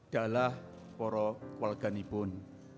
dalah poro walgani pun